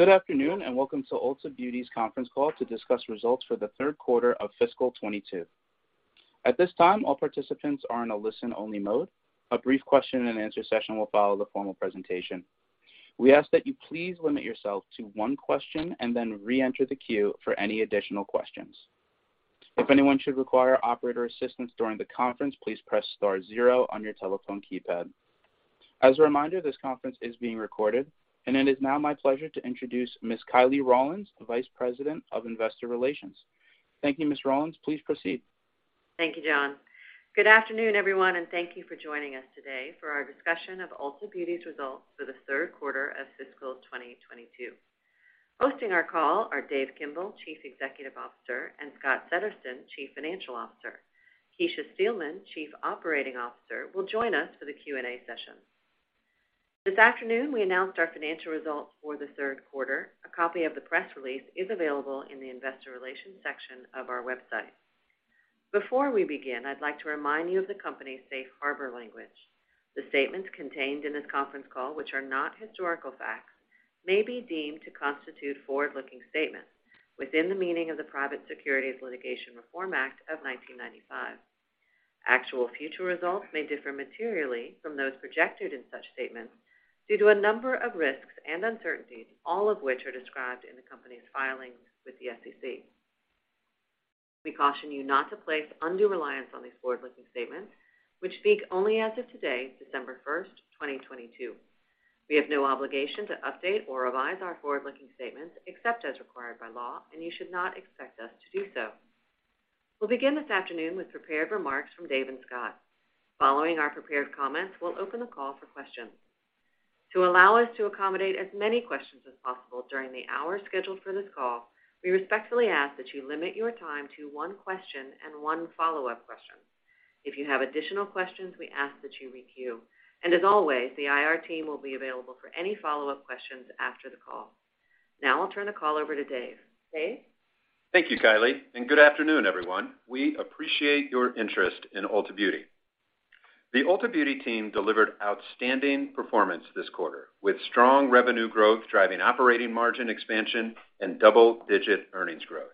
Good afternoon, welcome to Ulta Beauty's conference call to discuss results for the third quarter of fiscal 2022. At this time, all participants are in a listen-only mode. A brief question-and-answer session will follow the formal presentation. We ask that you please limit yourself to one question and then re-enter the queue for any additional questions. If anyone should require operator assistance during the conference, please press star zero on your telephone keypad. As a reminder, this conference is being recorded, and it is now my pleasure to introduce Ms. Kiley Rawlins, the Vice President of Investor Relations. Thank you, Ms. Rawlins. Please proceed. Thank you, John. Good afternoon, everyone, and thank you for joining us today for our discussion of Ulta Beauty's results for the third quarter of fiscal 2022. Hosting our call are Dave Kimbell, Chief Executive Officer, and Scott Settersten, Chief Financial Officer. Kecia Steelman, Chief Operating Officer, will join us for the Q&A session. This afternoon, we announced our financial results for the third quarter. A copy of the press release is available in the investor relations section of our website. Before we begin, I'd like to remind you of the company's safe harbor language. The statements contained in this conference call, which are not historical facts, may be deemed to constitute forward-looking statements within the meaning of the Private Securities Litigation Reform Act of 1995. Actual future results may differ materially from those projected in such statements due to a number of risks and uncertainties, all of which are described in the company's filings with the SEC. We caution you not to place undue reliance on these forward-looking statements, which speak only as of today, December 1st, 2022. We have no obligation to update or revise our forward-looking statements except as required by law, and you should not expect us to do so. We'll begin this afternoon with prepared remarks from Dave and Scott. Following our prepared comments, we'll open the call for questions. To allow us to accommodate as many questions as possible during the hour scheduled for this call, we respectfully ask that you limit your time to one question and one follow-up question. If you have additional questions, we ask that you requeue. As always, the IR team will be available for any follow-up questions after the call. Now I'll turn the call over to Dave. Dave? Thank you, Kiley, and good afternoon, everyone. We appreciate your interest in Ulta Beauty. The Ulta Beauty team delivered outstanding performance this quarter, with strong revenue growth driving operating margin expansion and double-digit earnings growth.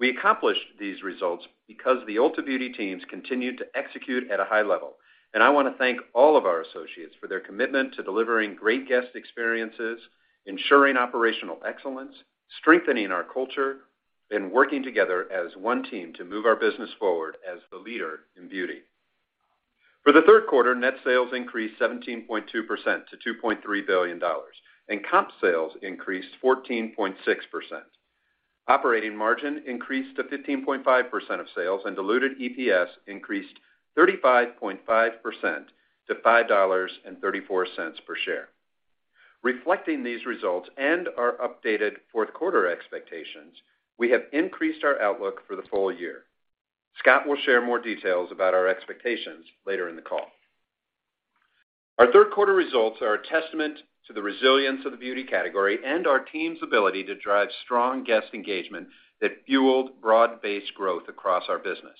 We accomplished these results because the Ulta Beauty teams continued to execute at a high level, and I want to thank all of our associates for their commitment to delivering great guest experiences, ensuring operational excellence, strengthening our culture, and working together as one team to move our business forward as the leader in beauty. For the third quarter, net sales increased 17.2% to $2.3 billion, and comp sales increased 14.6%. Operating margin increased to 15.5% of sales, and diluted EPS increased 35.5% to $5.34 per share. Reflecting these results and our updated fourth quarter expectations, we have increased our outlook for the full year. Scott will share more details about our expectations later in the call. Our third quarter results are a testament to the resilience of the beauty category and our team's ability to drive strong guest engagement that fueled broad-based growth across our business.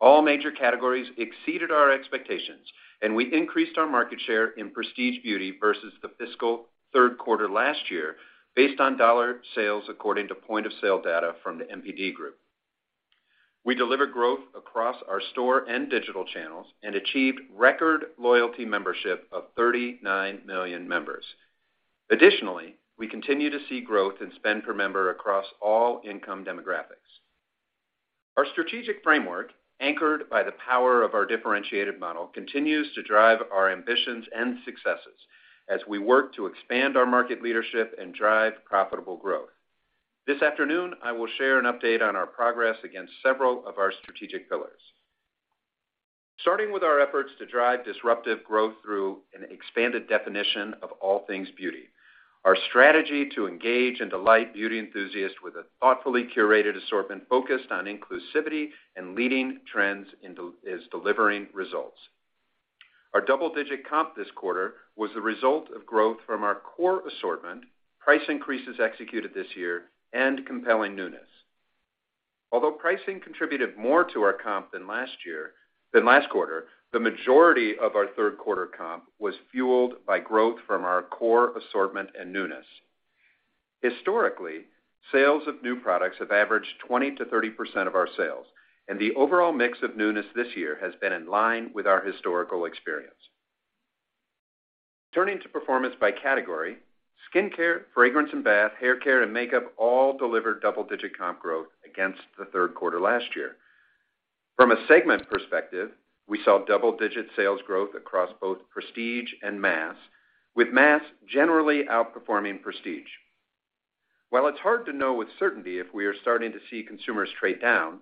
All major categories exceeded our expectations, and we increased our market share in prestige beauty versus the fiscal third quarter last year based on dollar sales according to point-of-sale data from The NPD Group. We delivered growth across our store and digital channels and achieved record loyalty membership of 39 million members. Additionally, we continue to see growth in spend per member across all income demographics. Our strategic framework, anchored by the power of our differentiated model, continues to drive our ambitions and successes as we work to expand our market leadership and drive profitable growth. This afternoon, I will share an update on our progress against several of our strategic pillars. Starting with our efforts to drive disruptive growth through an expanded definition of all things beauty, our strategy to engage and delight beauty enthusiasts with a thoughtfully curated assortment focused on inclusivity and leading trends is delivering results. Our double-digit comp this quarter was the result of growth from our core assortment, price increases executed this year, and compelling newness. Although pricing contributed more to our comp than last quarter, the majority of our third quarter comp was fueled by growth from our core assortment and newness. Historically, sales of new products have averaged 20%-30% of our sales, and the overall mix of newness this year has been in line with our historical experience. Turning to performance by category, skincare, fragrance and bath, haircare, and makeup all delivered double-digit comp growth against the third quarter last year. From a segment perspective, we saw double-digit sales growth across both prestige and mass, with mass generally outperforming prestige. While it's hard to know with certainty if we are starting to see consumers trade down,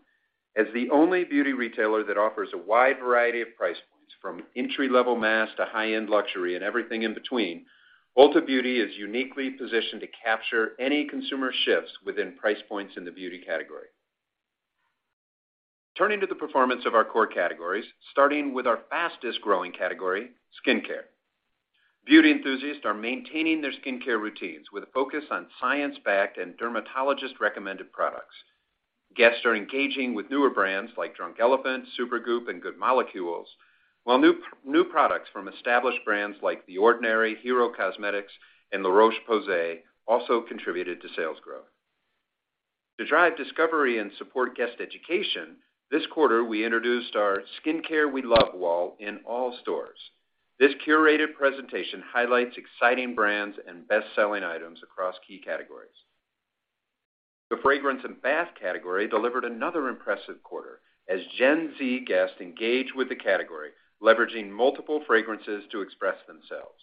as the only beauty retailer that offers a wide variety of price points from entry-level mass to high-end luxury and everything in between, Ulta Beauty is uniquely positioned to capture any consumer shifts within price points in the beauty category. Turning to the performance of our core categories, starting with our fastest-growing category, skincare. Beauty enthusiasts are maintaining their skincare routines with a focus on science-backed and dermatologist-recommended products. Guests are engaging with newer brands like Drunk Elephant, Supergoop!, and Good Molecules, while new products from established brands like The Ordinary, Hero Cosmetics, and La Roche-Posay also contributed to sales growth. To drive discovery and support guest education, this quarter, we introduced our Skincare We Love wall in all stores. This curated presentation highlights exciting brands and best-selling items across key categories. The fragrance and bath category delivered another impressive quarter as Gen Z guests engaged with the category, leveraging multiple fragrances to express themselves.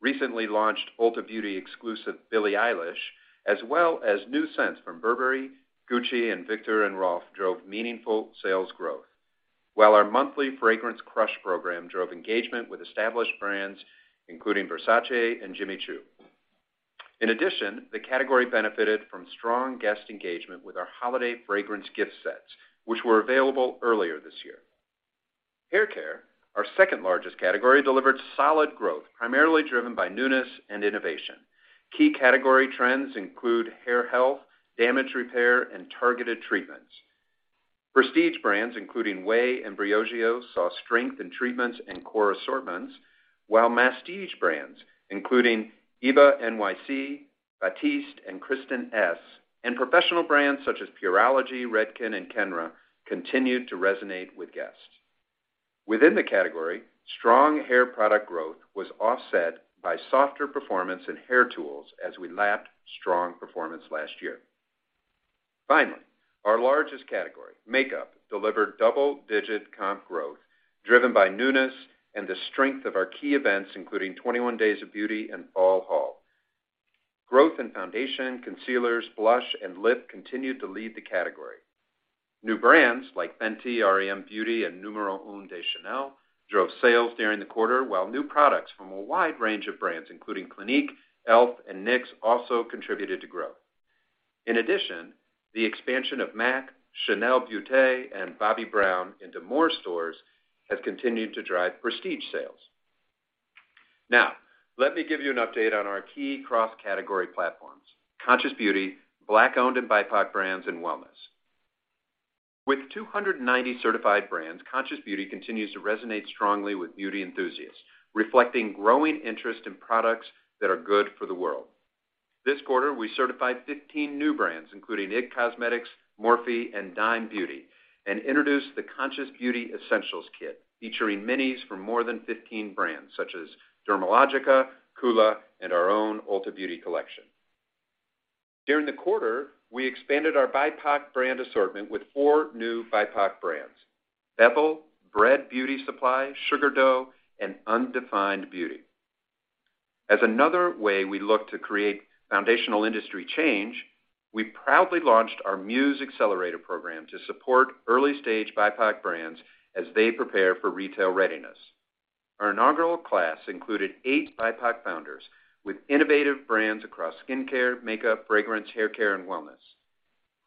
Recently launched Ulta Beauty exclusive Billie Eilish, as well as new scents from Burberry, Gucci, and Viktor&Rolf, drove meaningful sales growth, while our monthly Fragrance Crush program drove engagement with established brands, including Versace and Jimmy Choo. In addition, the category benefited from strong guest engagement with our holiday fragrance gift sets, which were available earlier this year. Hair care, our second-largest category, delivered solid growth, primarily driven by newness and innovation. Key category trends include hair health, damage repair, and targeted treatments. Prestige brands, including OUAI and Briogeo, saw strength in treatments and core assortments, while masstige brands, including Eva NYC, Batiste, and Kristin Ess, and professional brands such as Pureology, Redken, and Kenra, continued to resonate with guests. Within the category, strong hair product growth was offset by softer performance in hair tools as we lapped strong performance last year. Finally, our largest category, makeup, delivered double-digit comp growth, driven by newness and the strength of our key events, including 21 Days of Beauty and Fall Haul. Growth in foundation, concealers, blush, and lip continued to lead the category. New brands like Fenty, r.e.m. beauty, and N°1 DE CHANEL drove sales during the quarter, while new products from a wide range of brands, including Clinique, e.l.f., and NYX, also contributed to growth. In addition, the expansion of MAC, CHANEL Beauty, and Bobbi Brown into more stores has continued to drive prestige sales. Let me give you an update on our key cross-category platforms, Conscious Beauty, Black-owned and BIPOC brands, and wellness. With 290 certified brands, Conscious Beauty continues to resonate strongly with beauty enthusiasts, reflecting growing interest in products that are good for the world. This quarter, we certified 15 new brands, including IT Cosmetics, Morphe, and DIME Beauty, and introduced the Conscious Beauty Essentials Kit, featuring minis from more than 15 brands, such as Dermalogica, COOLA, and our own Ulta Beauty Collection. During the quarter, we expanded our BIPOC brand assortment with four new BIPOC brands: Ethel, BREAD Beauty Supply, Sugar Dough, and Undefined Beauty. As another way we look to create foundational industry change, we proudly launched our MUSE Accelerator program to support early-stage BIPOC brands as they prepare for retail readiness. Our inaugural class included eight BIPOC founders with innovative brands across skincare, makeup, fragrance, hair care, and wellness.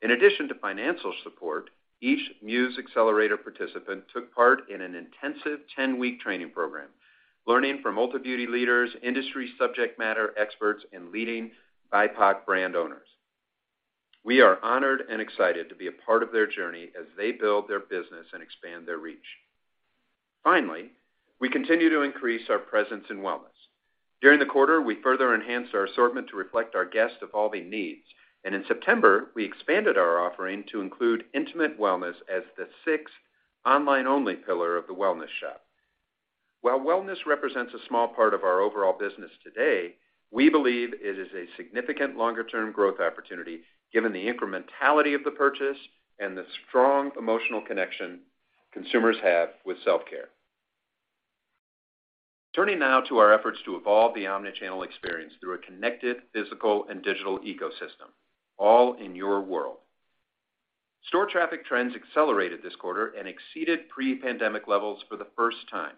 In addition to financial support, each MUSE Accelerator participant took part in an intensive 10-week training program, learning from Ulta Beauty leaders, industry subject matter experts, and leading BIPOC brand owners. We are honored and excited to be a part of their journey as they build their business and expand their reach. We continue to increase our presence in wellness. During the quarter, we further enhanced our assortment to reflect our guests' evolving needs. In September, we expanded our offering to include intimate wellness as the sixth online-only pillar of the wellness shop. While wellness represents a small part of our overall business today, we believe it is a significant longer-term growth opportunity, given the incrementality of the purchase and the strong emotional connection consumers have with self-care. Turning now to our efforts to evolve the omnichannel experience through a connected physical and digital ecosystem, all in your world. Store traffic trends accelerated this quarter and exceeded pre-pandemic levels for the first time,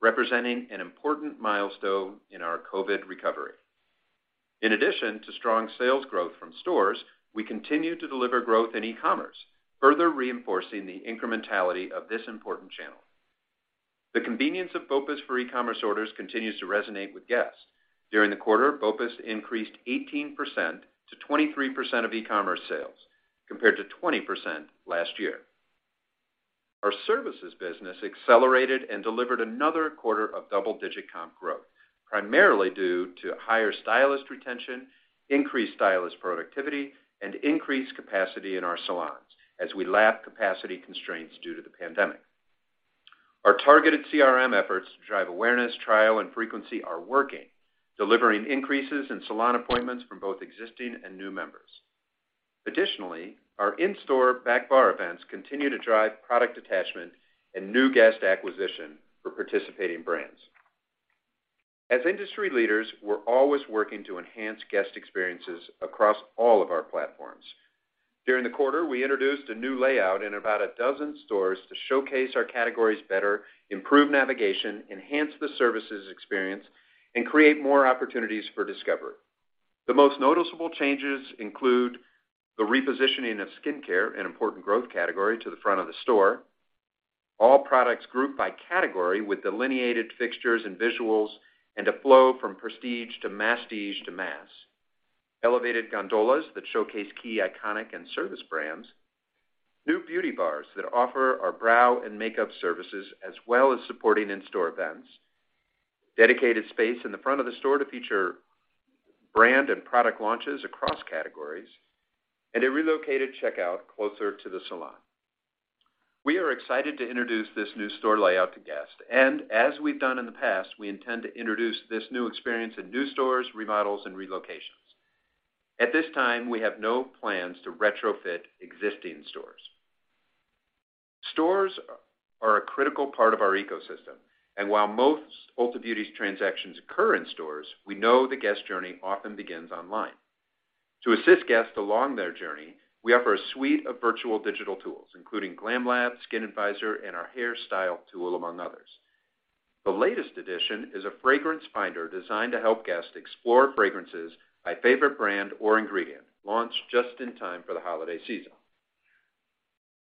representing an important milestone in our COVID recovery. In addition to strong sales growth from stores, we continue to deliver growth in e-commerce, further reinforcing the incrementality of this important channel. The convenience of BOPIS for e-commerce orders continues to resonate with guests. During the quarter, BOPIS increased 18% to 23% of e-commerce sales, compared to 20% last year. Our services business accelerated and delivered another quarter of double-digit comp growth, primarily due to higher stylist retention, increased stylist productivity, and increased capacity in our salons as we lap capacity constraints due to the pandemic. Our targeted CRM efforts to drive awareness, trial, and frequency are working, delivering increases in salon appointments from both existing and new members. Our in-store backbar events continue to drive product attachment and new guest acquisition for participating brands. As industry leaders, we're always working to enhance guest experiences across all of our platforms. During the quarter, we introduced a new layout in about a dozen stores to showcase our categories better, improve navigation, enhance the services experience, and create more opportunities for discovery. The most noticeable changes include the repositioning of skincare, an important growth category, to the front of the store. All products are grouped by category with delineated fixtures and visuals and a flow from prestige to masstige to mass. Elevated gondolas that showcase key iconic and service brands. New beauty bars that offer our brow and makeup services, as well as supporting in-store events. Dedicated space in the front of the store to feature brand and product launches across categories, and a relocated checkout closer to the salon. We are excited to introduce this new store layout to guests, and as we've done in the past, we intend to introduce this new experience in new stores, remodels, and relocations. At this time, we have no plans to retrofit existing stores. Stores are a critical part of our ecosystem, and while most Ulta Beauty's transactions occur in stores, we know the guest journey often begins online. To assist guests along their journey, we offer a suite of virtual digital tools, including GLAMlab, Skin Advisor, and our Hairstyle Tool, among others. The latest addition is a fragrance finder designed to help guests explore fragrances by favorite brand or ingredient, launched just in time for the holiday season.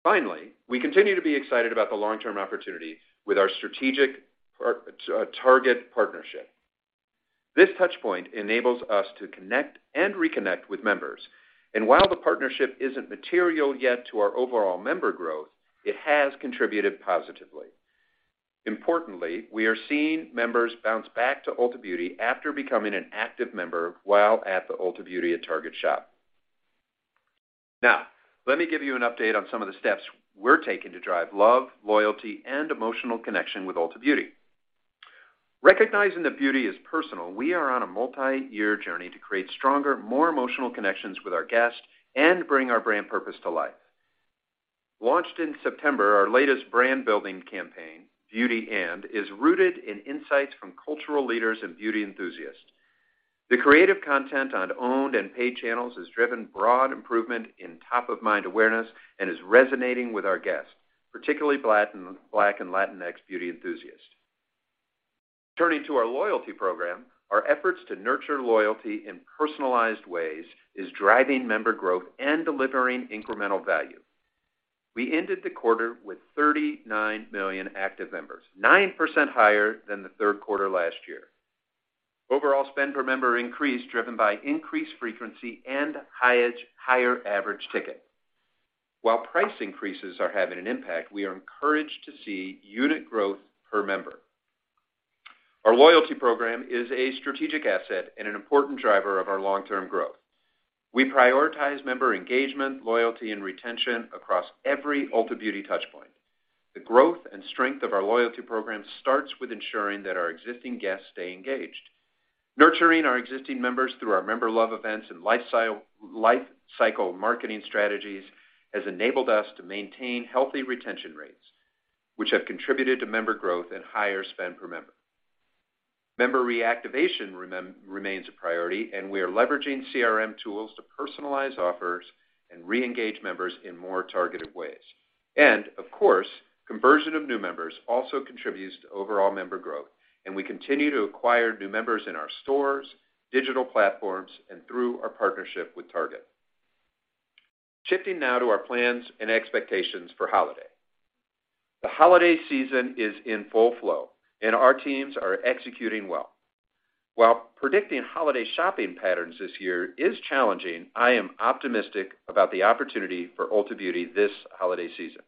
Finally, we continue to be excited about the long-term opportunity with our strategic Target partnership. This touch point enables us to connect and reconnect with members, and while the partnership isn't material yet to our overall member growth, it has contributed positively. Importantly, we are seeing members bounce back to Ulta Beauty after becoming an active member while at the Ulta Beauty at Target shop. Let me give you an update on some of the steps we're taking to drive love, loyalty, and emotional connection with Ulta Beauty. Recognizing that beauty is personal, we are on a multi-year journey to create stronger, more emotional connections with our guests and bring our brand purpose to life. Launched in September, our latest brand-building campaign, Beauty&, is rooted in insights from cultural leaders and beauty enthusiasts. The creative content on owned and paid channels has driven broad improvement in top-of-mind awareness and is resonating with our guests, particularly Black and Latine beauty enthusiasts. Turning to our loyalty program, our efforts to nurture loyalty in personalized ways is driving member growth and delivering incremental value. We ended the quarter with 39 million active members, 9% higher than the third quarter last year. Overall spend per member increased, driven by increased frequency and higher average ticket. While price increases are having an impact, we are encouraged to see unit growth per member. Our loyalty program is a strategic asset and an important driver of our long-term growth. We prioritize member engagement, loyalty, and retention across every Ulta Beauty touch point. The growth and strength of our loyalty program starts with ensuring that our existing guests stay engaged. Nurturing our existing members through our member love events and life cycle marketing strategies has enabled us to maintain healthy retention rates, which have contributed to member growth and higher spend per member. Member reactivation remains a priority, and we are leveraging CRM tools to personalize offers and re-engage members in more targeted ways. Of course, conversion of new members also contributes to overall member growth, and we continue to acquire new members in our stores, digital platforms, and through our partnership with Target. Shifting now to our plans and expectations for holiday. The holiday season is in full flow, and our teams are executing well. While predicting holiday shopping patterns this year is challenging, I am optimistic about the opportunity for Ulta Beauty this holiday season.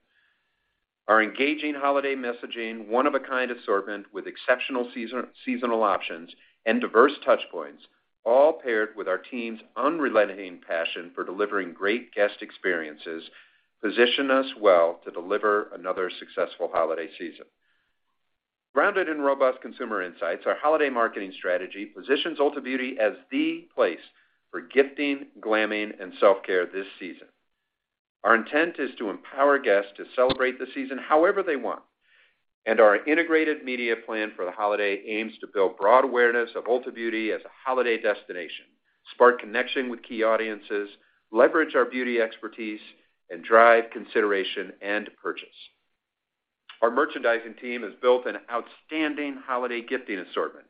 Our engaging holiday messaging, one-of-a-kind assortment with exceptional season, seasonal options, and diverse touchpoints, all paired with our team's unrelenting passion for delivering great guest experiences, position us well to deliver another successful holiday season. Grounded in robust consumer insights, our holiday marketing strategy positions Ulta Beauty as the place for gifting, glamming, and self-care this season. Our intent is to empower guests to celebrate the season however they want, and our integrated media plan for the holiday aims to build broad awareness of Ulta Beauty as a holiday destination, spark connection with key audiences, leverage our beauty expertise, and drive consideration and purchase. Our merchandising team has built an outstanding holiday gifting assortment.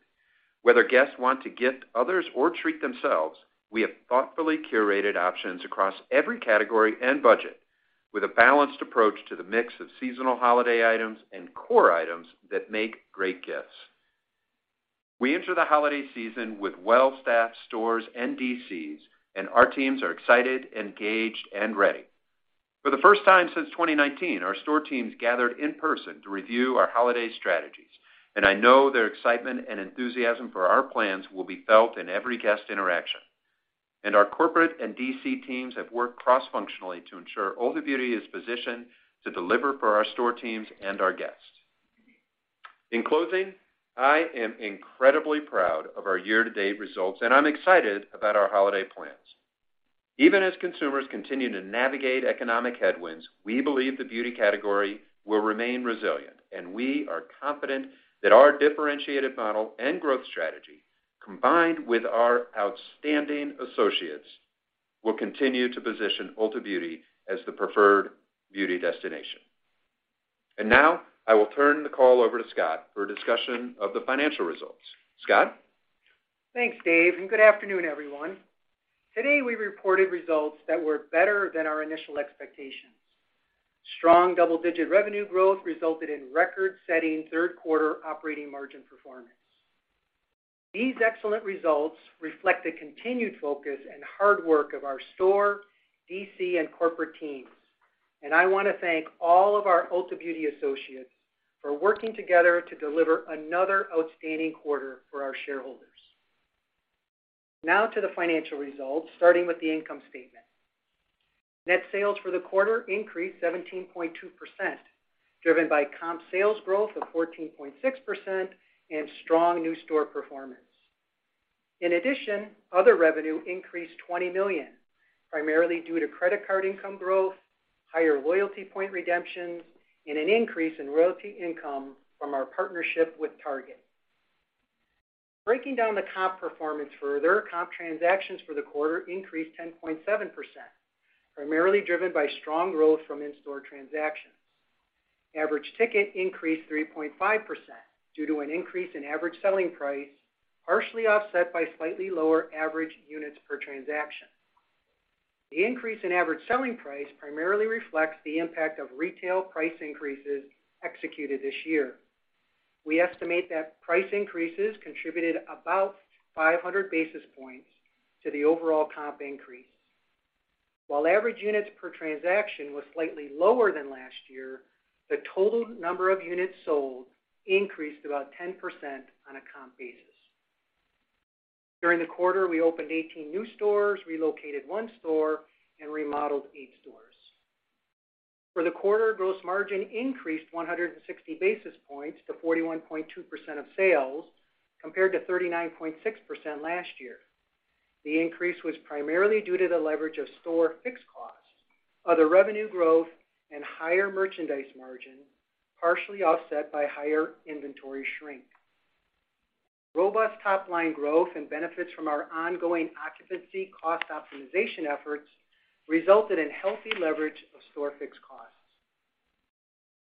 Whether guests want to gift others or treat themselves, we have thoughtfully curated options across every category and budget with a balanced approach to the mix of seasonal holiday items and core items that make great gifts. We enter the holiday season with well-staffed stores and DCs, and our teams are excited, engaged, and ready. For the first time since 2019, our store teams gathered in person to review our holiday strategies, and I know their excitement and enthusiasm for our plans will be felt in every guest interaction. Our corporate and DC teams have worked cross-functionally to ensure Ulta Beauty is positioned to deliver for our store teams and our guests. In closing, I am incredibly proud of our year-to-date results, and I'm excited about our holiday plans. Even as consumers continue to navigate economic headwinds, we believe the beauty category will remain resilient, and we are confident that our differentiated model and growth strategy, combined with our outstanding associates, will continue to position Ulta Beauty as the preferred beauty destination. Now, I will turn the call over to Scott for a discussion of the financial results. Scott? Thanks, Dave. Good afternoon, everyone. Today, we reported results that were better than our initial expectations. Strong double-digit revenue growth resulted in record-setting third-quarter operating margin performance. These excellent results reflect the continued focus and hard work of our store, DC, and corporate teams. I want to thank all of our Ulta Beauty associates for working together to deliver another outstanding quarter for our shareholders. Now to the financial results, starting with the income statement. Net sales for the quarter increased 17.2%, driven by comp sales growth of 14.6% and strong new store performance. In addition, other revenue increased $20 million, primarily due to credit card income growth, higher loyalty point redemptions, and an increase in royalty income from our partnership with Target. Breaking down the comp performance further, comp transactions for the quarter increased 10.7%, primarily driven by strong growth from in-store transactions. Average ticket increased 3.5% due to an increase in average selling price, partially offset by slightly lower average units per transaction. The increase in average selling price primarily reflects the impact of retail price increases executed this year. We estimate that price increases contributed about 500 basis points to the overall comp increase. While average units per transaction was slightly lower than last year, the total number of units sold increased about 10% on a comp basis. During the quarter, we opened 18 new stores, relocated one store, and remodeled 8 stores. For the quarter, gross margin increased 160 basis points to 41.2% of sales, compared to 39.6% last year. The increase was primarily due to the leverage of store fixed costs, other revenue growth, and higher merchandise margin, partially offset by higher inventory shrinkage. Robust top-line growth and benefits from our ongoing occupancy cost optimization efforts resulted in healthy leverage of store fixed costs.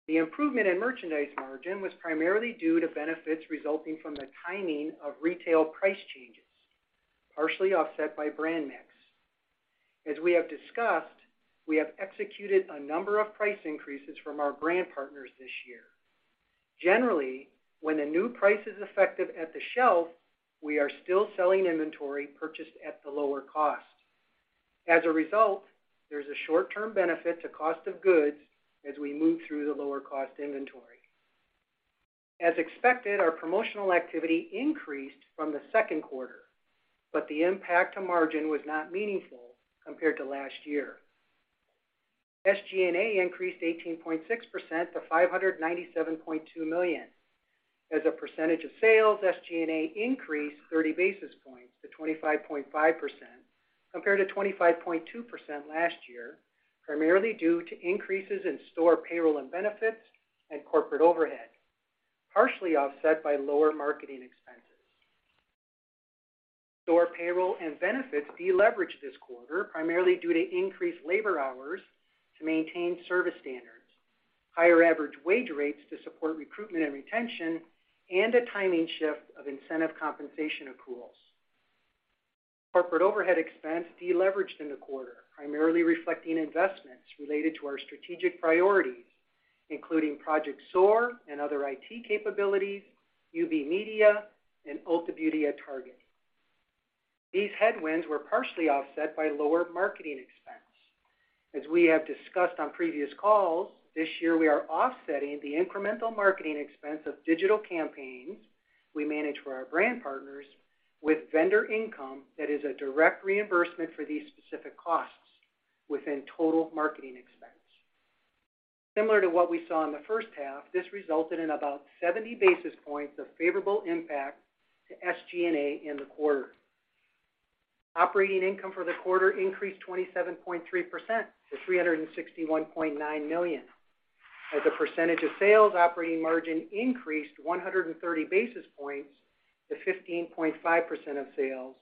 The improvement in merchandise margin was primarily due to benefits resulting from the timing of retail price changes, partially offset by brand mix. As we have discussed, we have executed a number of price increases from our brand partners this year. Generally, when a new price is effective at the shelf, we are still selling inventory purchased at the lower cost. As a result, there's a short-term benefit to cost of goods as we move through the lower cost inventory. As expected, our promotional activity increased from the second quarter, but the impact to margin was not meaningful compared to last year. SG&A increased 18.6% to $597.2 million. As a percentage of sales, SG&A increased 30 basis points to 25.5% compared to 25.2% last year, primarily due to increases in store payroll and benefits and corporate overhead, partially offset by lower marketing expenses. Store payroll and benefits were deleveraged this quarter, primarily due to increased labor hours to maintain service standards, higher average wage rates to support recruitment and retention, and a timing shift of incentive compensation accruals. Corporate overhead expense deleveraged in the quarter, primarily reflecting investments related to our strategic priorities, including Project SOAR and other IT capabilities, UB Media, and Ulta Beauty at Target. These headwinds were partially offset by lower marketing expenses. As we have discussed on previous calls, this year, we are offsetting the incremental marketing expense of digital campaigns we manage for our brand partners with vendor income that is a direct reimbursement for these specific costs within total marketing expense. Similar to what we saw in the first half, this resulted in about 70 basis points of favorable impact to SG&A in the quarter. Operating income for the quarter increased 27.3% to $361.9 million. As a percentage of sales, operating margin increased 130 basis points to 15.5% of sales,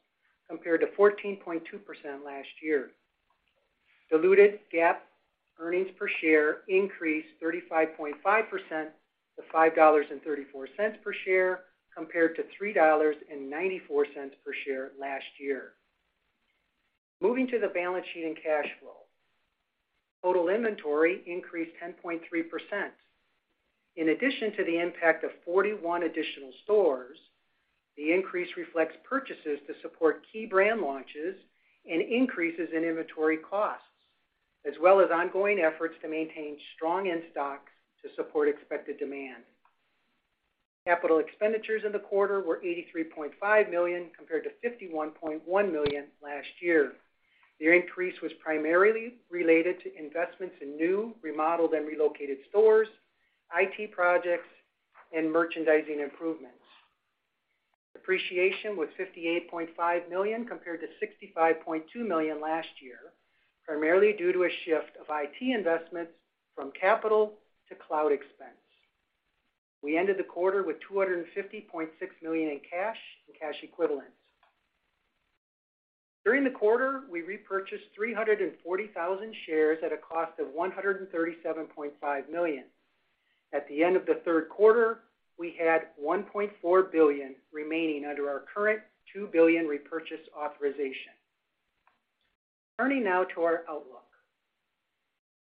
compared to 14.2% last year. Diluted GAAP earnings per share increased 35.5% to $5.34 per share, compared to $3.94 per share last year. Moving to the balance sheet and cash flow. Total inventory increased 10.3%. In addition to the impact of 41 additional stores, the increase reflects purchases to support key brand launches and increases in inventory costs, as well as ongoing efforts to maintain strong in-stocks to support expected demand. Capital expenditures in the quarter were $83.5 million, compared to $51.1 million last year. The increase was primarily related to investments in new, remodeled, and relocated stores, IT projects, and merchandising improvements. Depreciation was $58.5 million, compared to $65.2 million last year, primarily due to a shift of IT investments from capital to cloud expense. We ended the quarter with $250.6 million in cash and cash equivalents. During the quarter, we repurchased 340,000 shares at a cost of $137.5 million. At the end of the third quarter, we had $1.4 billion remaining under our current $2 billion repurchase authorization. Turning now to our outlook.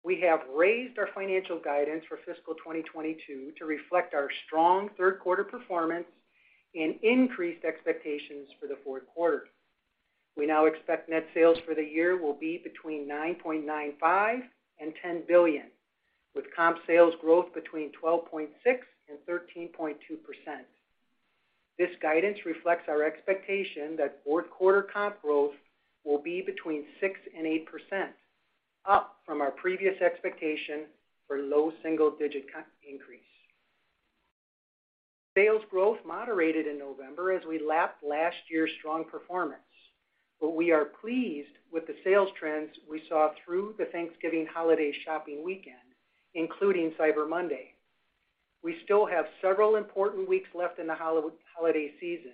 We have raised our financial guidance for fiscal 2022 to reflect our strong third quarter performance and increased expectations for the fourth quarter. We now expect net sales for the year will be between $9.95 billion and $10 billion, with comp sales growth between 12.6% and 13.2%. This guidance reflects our expectation that fourth quarter comp growth will be between 6% and 8%, up from our previous expectation for low single-digit increase. Sales growth moderated in November as we lapped last year's strong performance. We are pleased with the sales trends we saw through the Thanksgiving holiday shopping weekend, including Cyber Monday. We still have several important weeks left in the holiday season.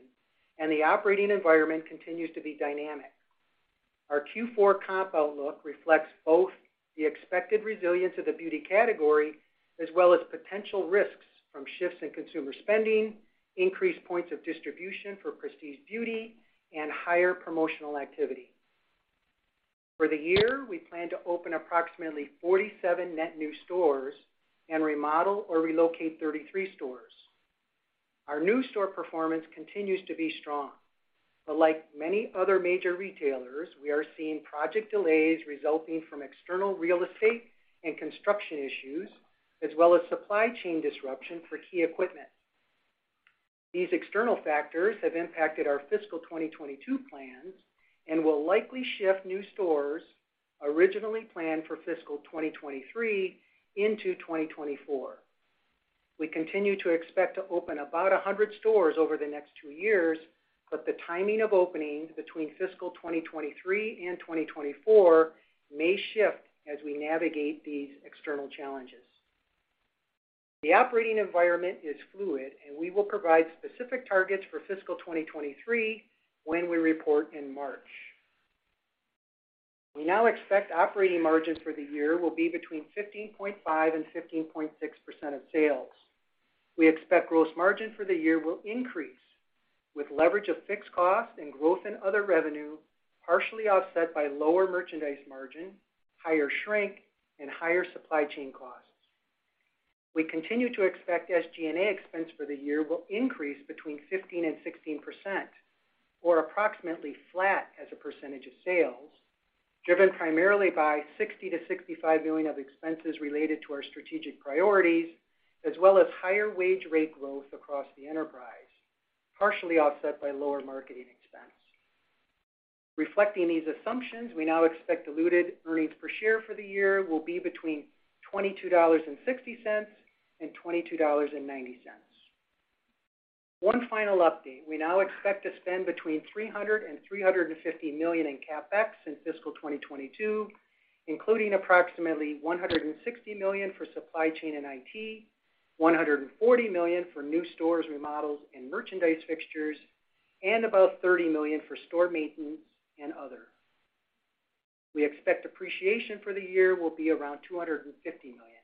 The operating environment continues to be dynamic. Our Q4 comp outlook reflects both the expected resilience of the beauty category as well as potential risks from shifts in consumer spending, increased points of distribution for prestige beauty, and higher promotional activity. For the year, we plan to open approximately 47 net new stores and remodel or relocate 33 stores. Like many other major retailers, we are seeing project delays resulting from external real estate and construction issues, as well as supply chain disruption for key equipment. These external factors have impacted our fiscal 2022 plans and will likely shift new stores originally planned for fiscal 2023 into 2024. We continue to expect to open about 100 stores over the next two years, but the timing of openings between fiscal 2023 and 2024 may shift as we navigate these external challenges. The operating environment is fluid, and we will provide specific targets for fiscal 2023 when we report in March. We now expect operating margins for the year will be between 15.5% and 15.6% of sales. We expect gross margin for the year will increase, with leverage of fixed cost and growth in other revenue, partially offset by lower merchandise margin, higher shrink, and higher supply chain costs. We continue to expect SG&A expense for the year will increase between 15% and 16% or approximately flat as a percentage of sales, driven primarily by $60 million to $65 million of expenses related to our strategic priorities, as well as higher wage rate growth across the enterprise, partially offset by lower marketing expense. Reflecting these assumptions, we now expect diluted earnings per share for the year will be between $22.60 and $22.90. One final update. We now expect to spend between $300 million and $350 million in CapEx in fiscal 2022, including approximately $160 million for supply chain and IT, $140 million for new stores, remodels, and merchandise fixtures, and about $30 million for store maintenance and other. We expect depreciation for the year will be around $250 million.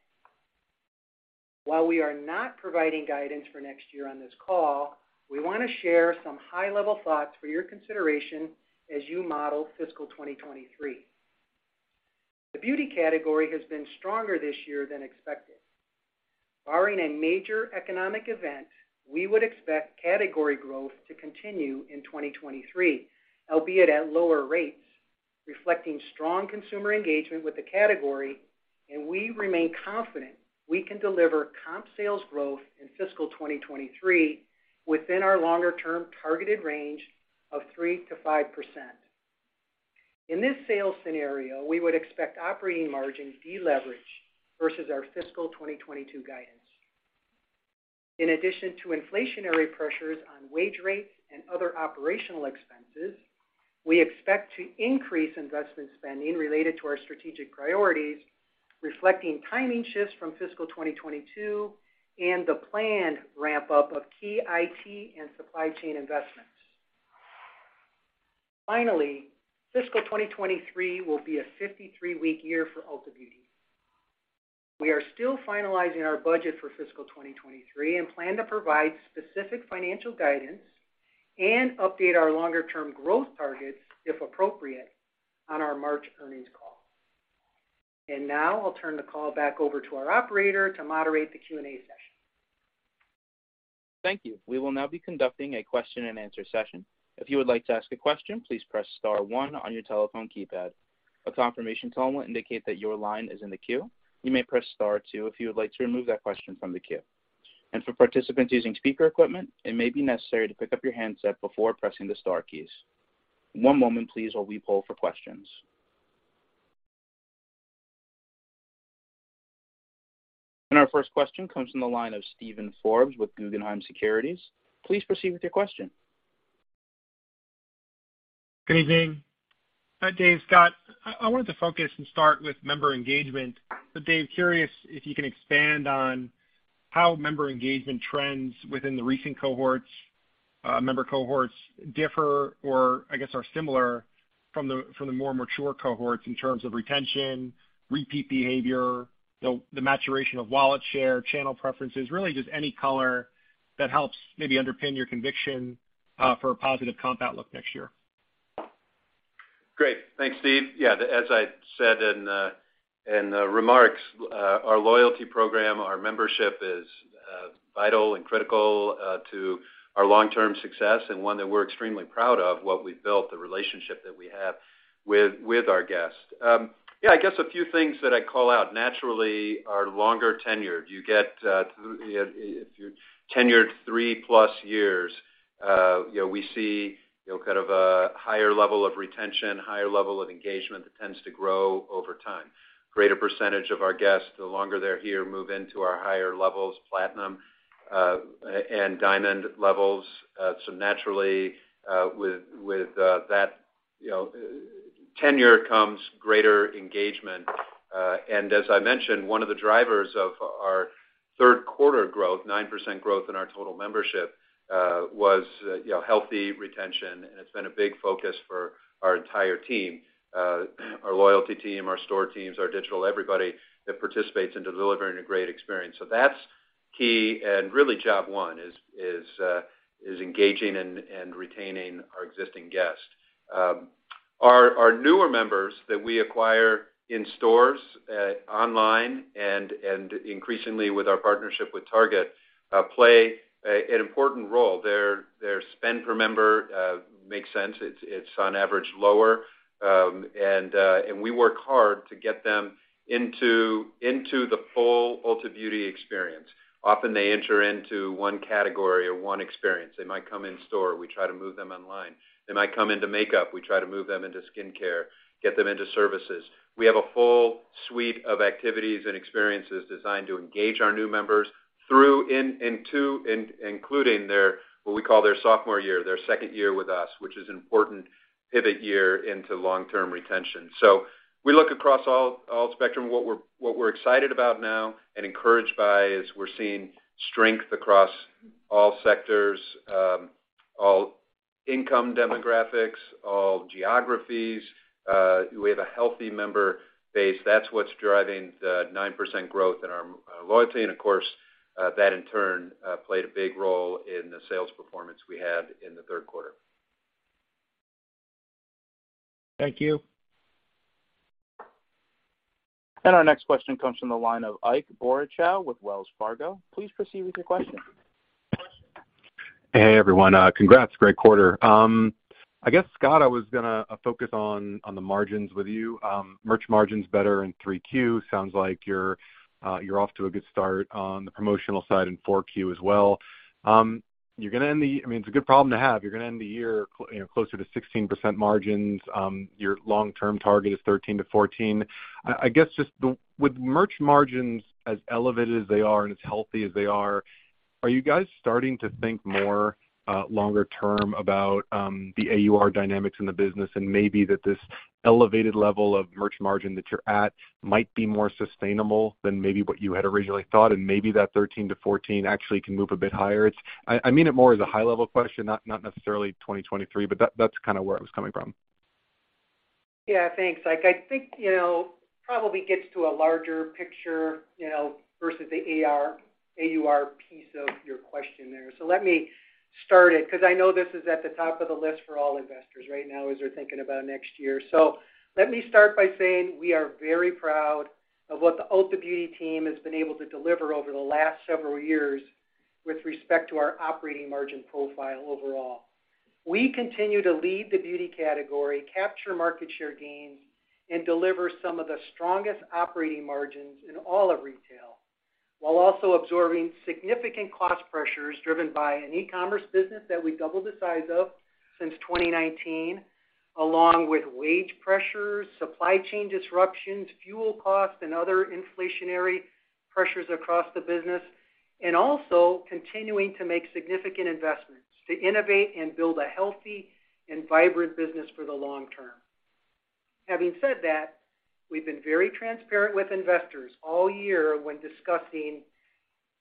While we are not providing guidance for next year on this call, we want to share some high-level thoughts for your consideration as you model fiscal 2023. The beauty category has been stronger this year than expected. Barring a major economic event, we would expect category growth to continue in 2023, albeit at lower rates, reflecting strong consumer engagement with the category, and we remain confident we can deliver comp sales growth in fiscal 2023 within our longer-term targeted range of 3%-5%. In this sales scenario, we would expect operating margins deleverage versus our fiscal 2022 guidance. In addition to inflationary pressures on wage rates and other operational expenses, we expect to increase investment spending related to our strategic priorities, reflecting timing shifts from fiscal 2022 and the planned ramp-up of key IT and supply chain investments. Finally, fiscal 2023 will be a 53-week year for Ulta Beauty. We are still finalizing our budget for fiscal 2023 and plan to provide specific financial guidance and update our longer-term growth targets, if appropriate, on our March earnings call. Now I'll turn the call back over to our operator to moderate the Q&A session. Thank you. We will now be conducting a question-and-answer session. If you would like to ask a question, please press star one on your telephone keypad. A confirmation tone will indicate that your line is in the queue. You may press star two if you would like to remove that question from the queue. For participants using speaker equipment, it may be necessary to pick up your handset before pressing the star keys. One moment, please, while we poll for questions. Our first question comes from the line of Steven Forbes with Guggenheim Securities. Please proceed with your question. Good evening. Dave, Scott, I wanted to focus and start with member engagement. Dave, curious if you can expand on how member engagement trends within the recent cohorts, member cohorts differ or I guess are similar from the more mature cohorts in terms of retention, repeat behavior, the maturation of wallet share, channel preferences. Really, just any color that helps maybe underpin your conviction, for a positive comp outlook next year. Great. Thanks, Steve. Yeah, as I said in the remarks, our loyalty program, our membership is vital and critical to our long-term success, and one that we're extremely proud of, what we've built, the relationship that we have with our guests. Yeah, I guess a few things that I'd call out. Naturally, our longer tenured, you get, if you're tenured three-plus years, you know, we see, you know, kind of a higher level of retention, higher level of engagement that tends to grow over time. Greater percentage of our guests, the longer they're here, move into our higher levels, platinum, and diamond levels. Naturally, with that, you know, tenure comes greater engagement. As I mentioned, one of the drivers of our third quarter growth, 9% growth in our total membership, you know, healthy retention, and it's been a big focus for our entire team, our loyalty team, our store teams, our digital, everybody that participates into delivering a great experience. That's key, and really job one is engaging and retaining our existing guests. Our newer members that we acquire in stores, online and increasingly with our partnership with Target, play an important role. Their spend per member makes sense. It's on average lower. We work hard to get them into the full Ulta Beauty experience. Often, they enter into one category or one experience. They might come in store, we try to move them online. They might come into makeup, we try to move them into skincare, get them into services. We have a full suite of activities and experiences designed to engage our new members through, in, including their, what we call their sophomore year, their second year with us, which is an important pivot year into long-term retention. We look across all spectrum. What we're excited about now and encouraged by is we're seeing strength across all sectors, all income demographics, all geographies. We have a healthy member base. That's what's driving the 9% growth in our loyalty. Of course, that in turn, played a big role in the sales performance we had in the third quarter. Thank you. Our next question comes from the line of Ike Boruchow with Wells Fargo. Please proceed with your question. Hey, everyone. Congrats. Great quarter. I guess, Scott, I was gonna focus on the margins with you. Merch margins better in 3Q. Sounds like you're off to a good start on the promotional side in 4Q as well. I mean, it's a good problem to have. You're gonna end the year, you know, closer to 16% margins. Your long-term target is 13%-14%. I guess, just the with merch margins as elevated as they are and as healthy as they are you guys starting to think more longer term about the AUR dynamics in the business and maybe that this elevated level of merch margin that you're at might be more sustainable than maybe what you had originally thought, and maybe that 13%-14% actually can move a bit higher? I mean it more as a high-level question, not necessarily 2023, but that's kinda where I was coming from. Yeah, thanks, Ike. I think, you know, probably gets to a larger picture, you know, versus the AUR piece of your question there. Let me start it, 'cause I know this is at the top of the list for all investors right now as they're thinking about next year. Let me start by saying we are very proud of what the Ulta Beauty team has been able to deliver over the last several years with respect to our operating margin profile overall. We continue to lead the beauty category, capture market share gains, and deliver some of the strongest operating margins in all of retail, while also absorbing significant cost pressures driven by an e-commerce business that we doubled the size of since 2019, along with wage pressures, supply chain disruptions, fuel costs, and other inflationary pressures across the business, and also continuing to make significant investments to innovate and build a healthy and vibrant business for the long term. Having said that, we've been very transparent with investors all year when discussing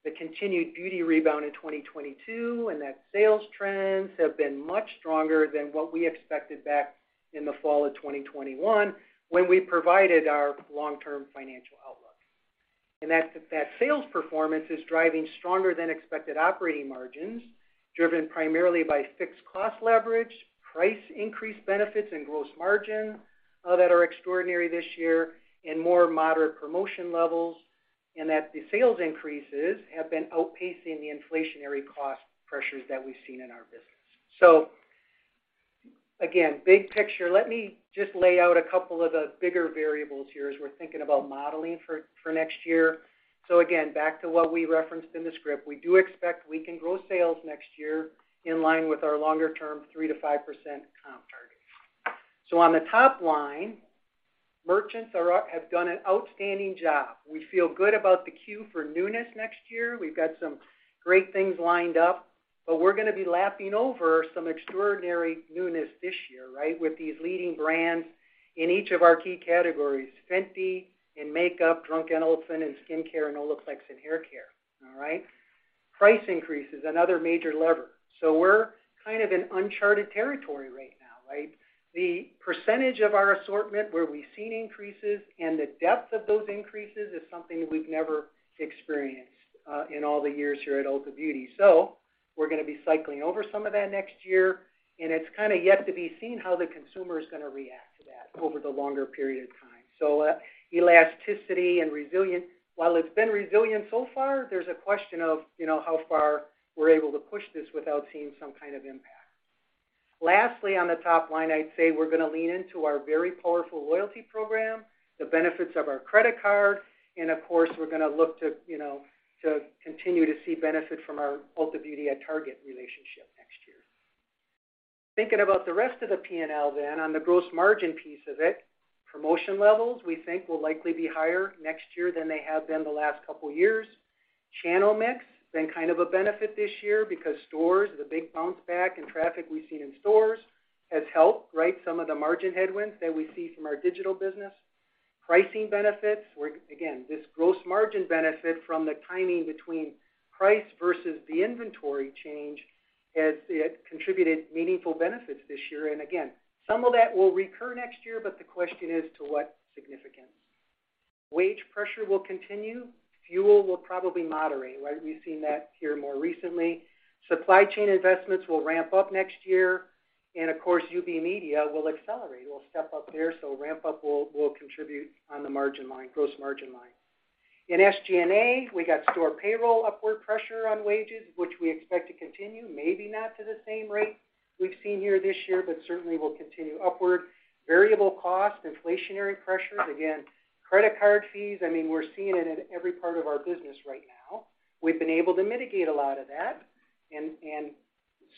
the continued beauty rebound in 2022, and that sales trends have been much stronger than what we expected back in the fall of 2021, when we provided our long-term financial outlook. That sales performance is driving stronger than expected operating margins, driven primarily by fixed cost leverage, price increase benefits, and gross margin that are extraordinary this year, and more moderate promotion levels, and that the sales increases have been outpacing the inflationary cost pressures that we've seen in our business. Again, big picture. Let me just lay out a couple of the bigger variables here as we're thinking about modeling for next year. Again, back to what we referenced in the script, we do expect we can grow sales next year in line with our longer-term 3%-5% comp target. On the top line, merchants have done an outstanding job. We feel good about the queue for newness next year. We've got some great things lined up. We're gonna be lapping over some extraordinary newness this year, right? With these leading brands in each of our key categories, Fenty in makeup, Drunk Elephant in skincare, and Olaplex in hair care. All right? Price increase is another major lever. We're kind of in uncharted territory right now, right? The percentage of our assortment where we've seen increases and the depth of those increases is something that we've never experienced in all the years here at Ulta Beauty. We're gonna be cycling over some of that next year, and it's kinda yet to be seen how the consumer is gonna react to that over the longer period of time. Elasticity and resilience, while it's been resilient so far, there's a question of, you know, how far we're able to push this without seeing some kind of impact. Lastly, on the top-line, I'd say we're gonna lean into our very powerful loyalty program, the benefits of our credit card, and of course, we're gonna look to, you know, to continue to see benefit from our Ulta Beauty at Target relationship next year. Thinking about the rest of the P&L, then on the gross margin piece of it, promotion levels, we think will likely be higher next year than they have been the last couple of years. Channel mix, been kind of a benefit this year because stores, the big bounce back and traffic we've seen in stores has helped, right, some of the margin headwinds that we see from our digital business. Pricing benefits, again, this gross margin benefit from the timing between price versus the inventory change has contributed meaningful benefits this year. Again, some of that will recur next year, but the question is to what significance. Wage pressure will continue, fuel will probably moderate, right? We've seen that here more recently. Supply chain investments will ramp up next year, of course, UB Media will accelerate. We'll step up there, ramp up will contribute on the margin line, gross margin line. In SG&A, we got store payroll, upward pressure on wages, which we expect to continue, maybe not to the same rate we've seen here this year, but certainly will continue upward. Variable costs, inflationary pressures, again, credit card fees. I mean, we're seeing it in every part of our business right now. We've been able to mitigate a lot of that,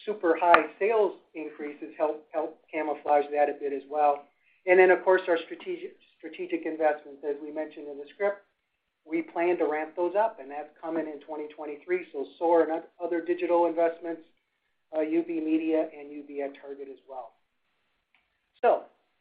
super high sales increases help camouflage that a bit as well. Of course, our strategic investments, as we mentioned in the script, we plan to ramp those up, and that's coming in 2023. SOAR and other digital investments, UB Media and UB at Target as well.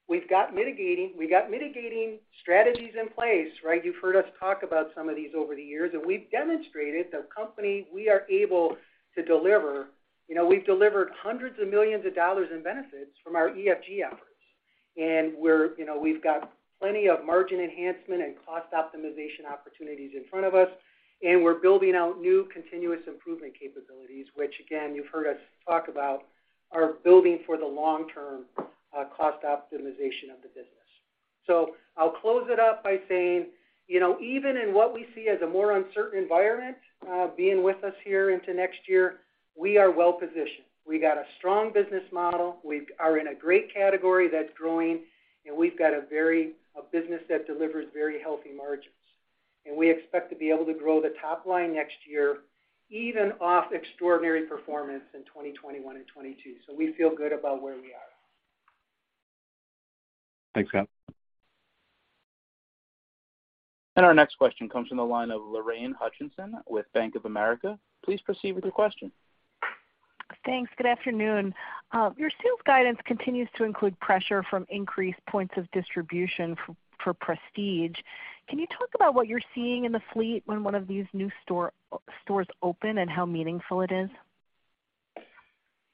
We've got mitigating strategies in place, right? You know, we've heard us talk about some of these over the years, and we've demonstrated the company, we are able to deliver. You know, we've delivered $ hundreds of millions in benefits from our ESG efforts. You know, we've got plenty of margin enhancement and cost optimization opportunities in front of us, and we're building out new continuous improvement capabilities, which, again, you've heard us talk about, are building for the long-term, cost optimization of the business. I'll close it up by saying, you know, even in what we see as a more uncertain environment, being with us here into next year, we are well-positioned. We got a strong business model, we are in a great category that's growing, and we've got a business that delivers very healthy margins. We expect to be able to grow the top line next year, even off extraordinary performance in 2021 and 2022. We feel good about where we are. Thanks, Pat. Our next question comes from the line of Lorraine Hutchinson with Bank of America. Please proceed with your question. Thanks. Good afternoon. Your sales guidance continues to include pressure from increased points of distribution for prestige. Can you talk about what you're seeing in the fleet when one of these new stores open and how meaningful it is?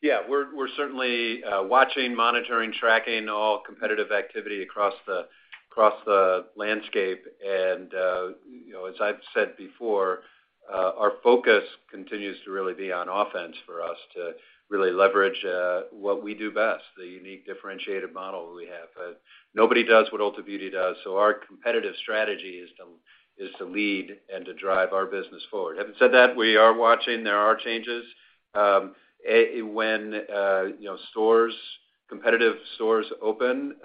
We're certainly watching, monitoring, tracking all competitive activity across the landscape. You know, as I've said before, our focus continues to really be on offense for us to really leverage what we do best, the unique differentiated model we have. Nobody does what Ulta Beauty does, so our competitive strategy is to lead and to drive our business forward. Having said that, we are watching, there are changes. When, you know, stores, competitive stores open,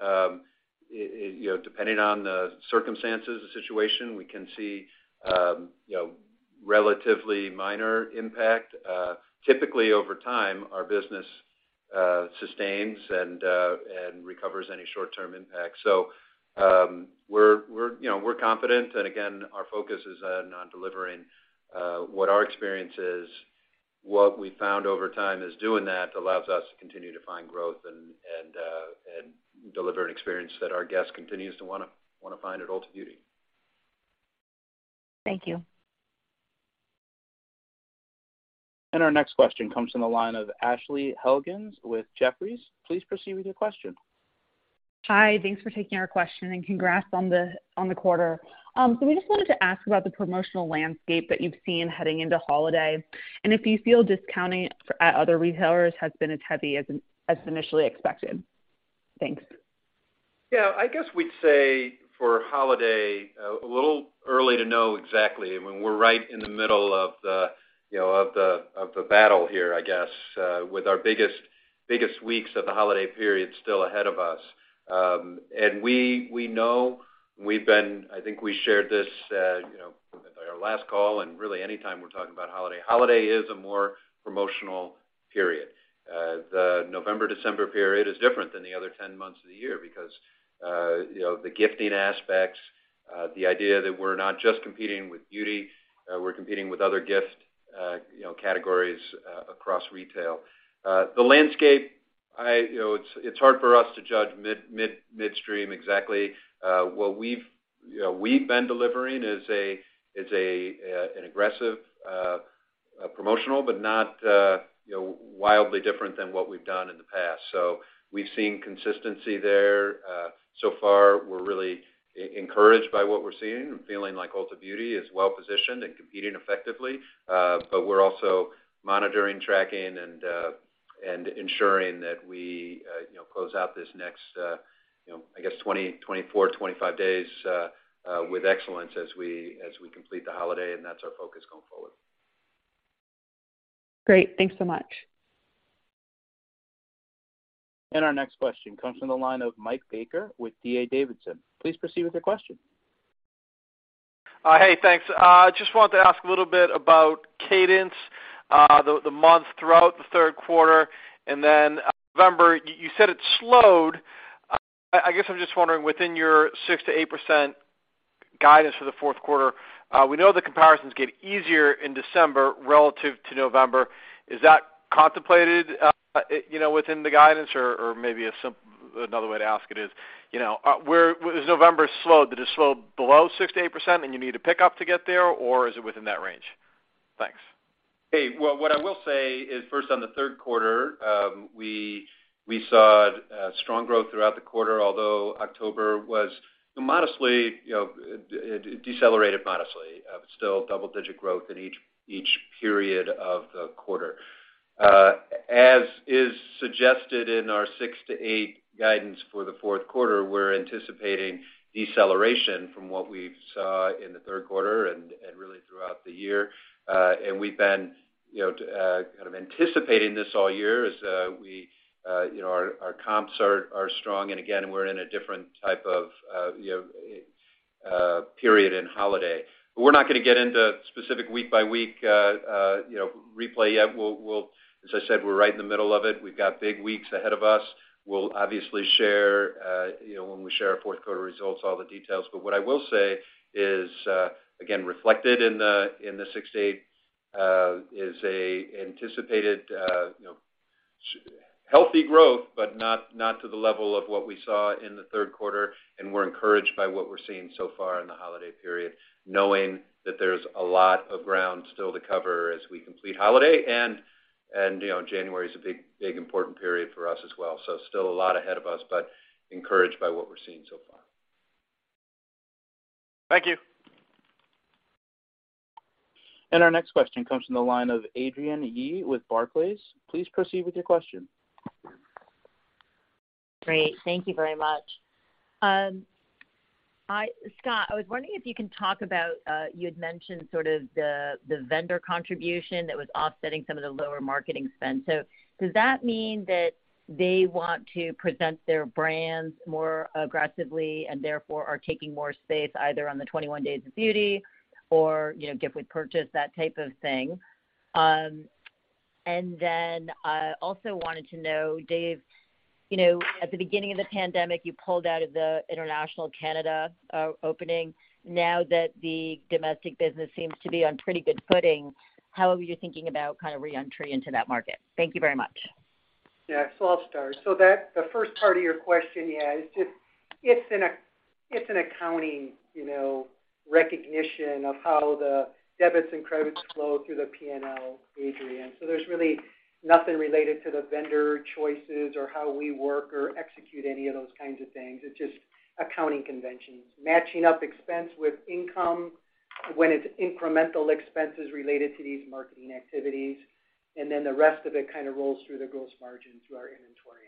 you know, depending on the circumstances, the situation, we can see, you know, relatively minor impact. Typically, over time, our business sustains and recovers any short-term impact. We're, you know, we're confident. Again, our focus is on delivering what our experience is. What we found over time is doing that allows us to continue to find growth and deliver an experience that our guest continues to wanna find at Ulta Beauty. Thank you. Our next question comes from the line of Ashley Helgans with Jefferies. Please proceed with your question. Hi. Thanks for taking our question, and congrats on the quarter. We just wanted to ask about the promotional landscape that you've seen heading into holiday, and if you feel discounting at other retailers has been as heavy as initially expected. Thanks. Yeah. I guess we'd say for holiday, a little early to know exactly. I mean, we're right in the middle of the, you know, of the, of the battle here, I guess, with our biggest weeks of the holiday period still ahead of us. We, we know, I think we shared this, you know, our last call, and really anytime we're talking about holiday. Holiday is a more promotional period. The November-December period is different than the other 10 months of the year because, you know, the gifting aspects The idea that we're not just competing with beauty, we're competing with other gift, you know, categories across retail. The landscape, you know, it's hard for us to judge mid-mid-midstream exactly. What we've, you know, we've been delivering is an aggressive promotional but not, you know, wildly different than what we've done in the past. We've seen consistency there. So far we're really encouraged by what we're seeing and feeling like Ulta Beauty is well-positioned and competing effectively. We're also monitoring, tracking, and ensuring that we, you know, close out this next, you know, I guess 24-25 days with excellence as we complete the holiday, and that's our focus going forward. Great. Thanks so much. Our next question comes from the line of Mike Baker with D.A. Davidson. Please proceed with your question. Hey, thanks. Just wanted to ask a little bit about cadence, the month throughout the third quarter. Then November, you said it slowed. I guess I'm just wondering within your 6%-8% guidance for the fourth quarter, we know the comparisons get easier in December relative to November. Is that contemplated, you know, within the guidance? Maybe another way to ask it is, you know, as November slowed, did it slow below 6%-8% and you need a pickup to get there or is it within that range? Thanks. Hey, well, what I will say is, first, on the third quarter, we saw strong growth throughout the quarter, although October was modestly, you know, it decelerated modestly. Still double-digit growth in each period of the quarter. As is suggested in our 6%-8% guidance for the fourth quarter, we're anticipating deceleration from what we saw in the third quarter and really throughout the year. We've been, you know, kind of anticipating this all year as we, you know, our comps are strong and again, we're in a different type of, you know, period in holiday. We're not gonna get into specific week by week, you know, replay yet. We'll, as I said, we're right in the middle of it. We've got big weeks ahead of us. We'll obviously share, you know, when we share our fourth quarter results, all the details. What I will say is, again, reflected in the, in the six to eight, is a anticipated, you know, healthy growth, but not to the level of what we saw in the third quarter. We're encouraged by what we're seeing so far in the holiday period, knowing that there's a lot of ground still to cover as we complete holiday. You know, January is a big important period for us as well. Still a lot ahead of us, but encouraged by what we're seeing so far. Thank you. Our next question comes from the line of Adrienne Yih with Barclays. Please proceed with your question. Great. Thank you very much. Scott, I was wondering if you can talk about, you had mentioned sort of the vendor contribution that was offsetting some of the lower marketing spend. Does that mean that they want to present their brands more aggressively and therefore are taking more space either on the 21 Days of Beauty or, you know, gift with purchase, that type of thing? Then I also wanted to know, Dave, you know, at the beginning of the pandemic, you pulled out of the international Canada opening. Now that the domestic business seems to be on pretty good footing, how are you thinking about kind of re-entry into that market? Thank you very much. Yeah. I'll start. The first part of your question, yeah, it's just an accounting, you know, recognition of how the debits and credits flow through the P&L, Adrienne. There's really nothing related to the vendor choices or how we work or execute any of those kinds of things. It's just accounting conventions, matching up expense with income when it's incremental expenses related to these marketing activities. The rest of it kind of rolls through the gross margin through our inventory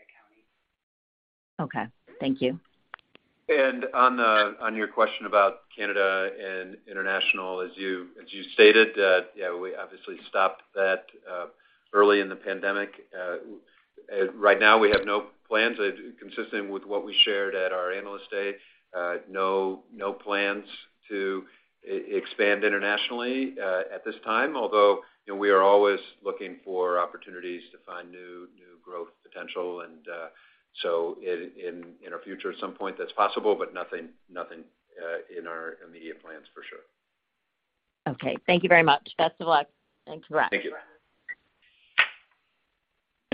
accounting. Okay. Thank you. On your question about Canada and international, as you stated, yeah, we obviously stopped that early in the pandemic. Right now we have no plans. Consistent with what we shared at our Analyst Day, no plans to expand internationally at this time, although, you know, we are always looking for opportunities to find new growth potential. In our future, at some point that's possible, but nothing in our immediate plans for sure. Okay. Thank you very much. Best of luck. Thanks for the rest. Thank you.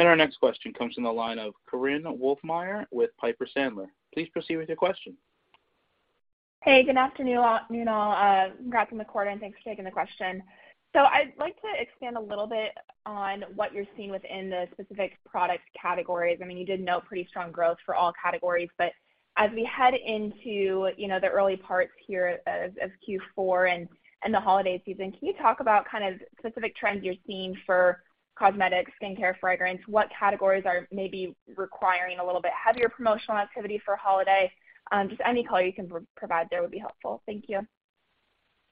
Our next question comes from the line of Korinne Wolfmeyer with Piper Sandler. Please proceed with your question. Hey, good afternoon, all. Congrats on the quarter, thanks for taking the question. I'd like to expand a little bit on what you're seeing within the specific product categories. I mean, you did note pretty strong growth for all categories, but as we head into, you know, the early parts here of Q4 and the holiday season, can you talk about kind of specific trends you're seeing for cosmetics, skincare, fragrance? What categories are maybe requiring a little bit heavier promotional activity for the holiday? Just any color you can provide there would be helpful. Thank you.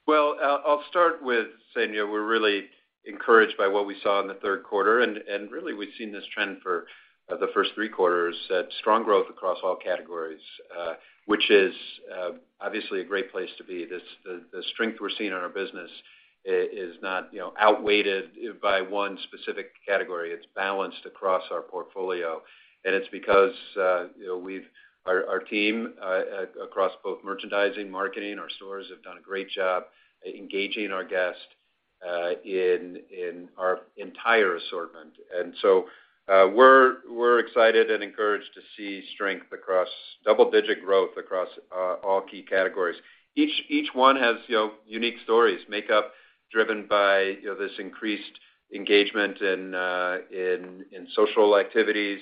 Well, I'll start with saying, you know, we're really encouraged by what we saw in the third quarter, and really we've seen this trend for the first three quarters, that strong growth across all categories, which is obviously a great place to be. The strength we're seeing in our business is not, you know, outweighed by one specific category. It's balanced across our portfolio. It's because, you know, our team across both merchandising and marketing, our stores have done a great job engaging our guests in our entire assortment. We're excited and encouraged to see strength across double-digit growth across all key categories. Each one has, you know, unique stories. Makeup driven by, you know, this increased engagement in social activities,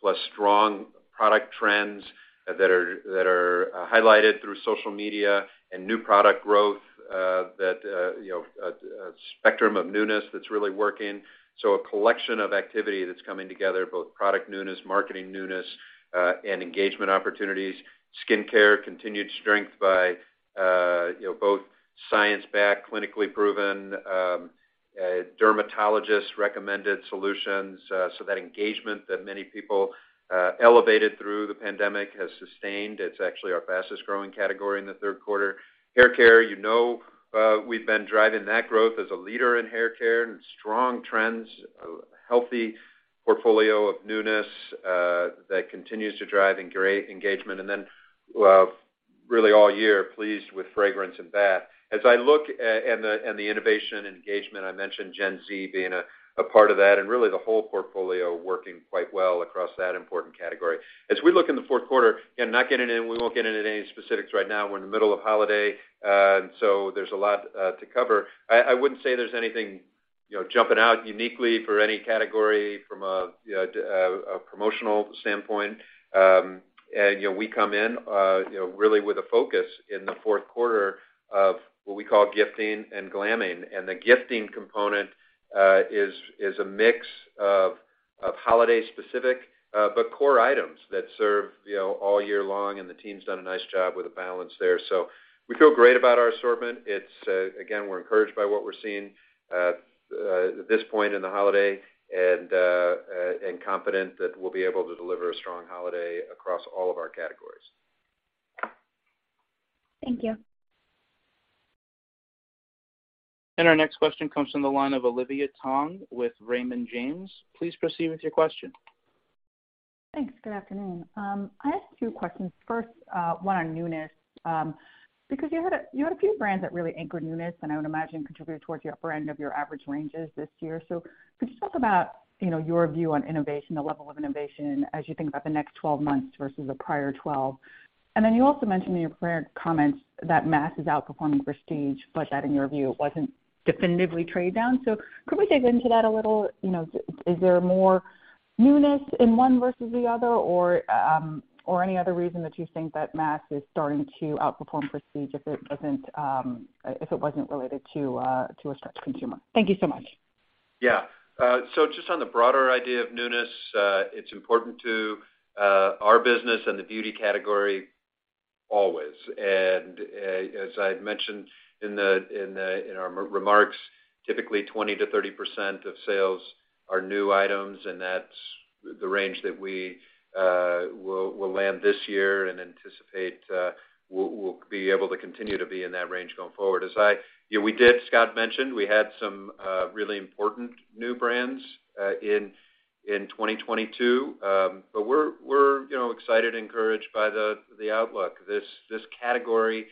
plus strong product trends that are highlighted through social media and new product growth that, you know, a spectrum of newness that's really working. A collection of activity that's coming together, both product newness, marketing newness, and engagement opportunities. Skincare, continued strength by, you know, both science-backed, clinically proven, dermatologist-recommended solutions. That engagement that many people elevated through the pandemic has sustained. It's actually our fastest-growing category in the third quarter. Hair care, you know, we've been driving that growth as a leader in hair care and strong trends, a healthy portfolio of newness that continues to drive engagement. Then, really all year, pleased with fragrance and bath. As I look at the innovation and engagement, I mentioned Gen Z being a part of that, and really the whole portfolio working quite well across that important category. As we look in the fourth quarter, again, not getting into any specifics right now. We're in the middle of holiday, and so there's a lot to cover. I wouldn't say there's anything, you know, jumping out uniquely for any category from a, you know, a promotional standpoint. You know, we come in, you know, really with a focus in the fourth quarter of what we call gifting and glamming. The gifting component, is a mix of holiday specific, but core items that serve, you know, all year long, and the team's done a nice job with a balance there. We feel great about our assortment. It's again, we're encouraged by what we're seeing at this point in the holiday and confident that we'll be able to deliver a strong holiday across all of our categories. Thank you. Our next question comes from the line of Olivia Tong with Raymond James. Please proceed with your question. Thanks. Good afternoon. I have two questions. First, one on newness. Because you had a few brands that really anchored newness and I would imagine contributed towards the upper end of your average ranges this year. Could you talk about, you know, your view on innovation, the level of innovation as you think about the next 12 months versus the prior 12? Then you also mentioned in your prior comments that mass is outperforming prestige, but that in your view, it wasn't definitively trade down. Could we dig into that a little? You know, is there more newness in one versus the other or any other reason that you think that mass is starting to outperform prestige if it wasn't related to a stretched consumer? Thank you so much. Yeah. So just on the broader idea of newness, it's important to our business and the beauty category always. As I'd mentioned in our re-remarks, typically 20%-30% of sales are new items, and that's the range that we'll land this year and anticipate, we'll be able to continue to be in that range going forward. Yeah, we did. Scott mentioned we had some really important new brands, in 2022. We're, you know, excited and encouraged by the outlook. This category of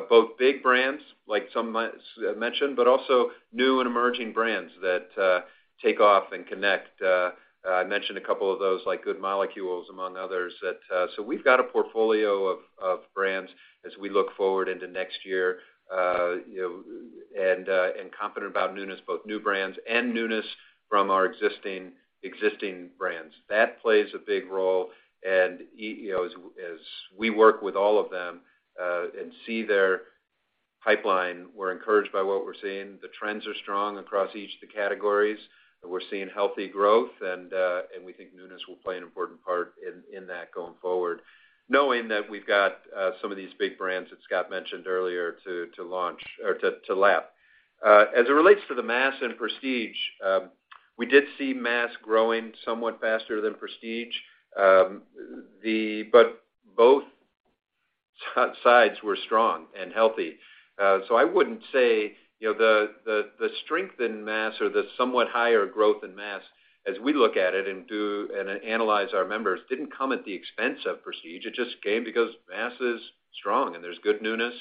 both big brands, like some I mentioned, but also new and emerging brands that take off and connect. I mentioned a couple of those, like Good Molecules, among others, that. We've got a portfolio of brands as we look forward into next year, you know, and confident about newness, both new brands and newness from our existing brands. That plays a big role. You know, as we work with all of them, and see their pipeline, we're encouraged by what we're seeing. The trends are strong across each of the categories, and we're seeing healthy growth, and we think newness will play an important part in that going forward, knowing that we've got some of these big brands that Scott mentioned earlier to launch or to lap. As it relates to the mass and prestige, we did see mass growing somewhat faster than prestige. Both sides were strong and healthy. I wouldn't say, you know, the strength in mass or the somewhat higher growth in mass as we look at it and analyze our members didn't come at the expense of prestige. It just came because mass is strong and there's good newness.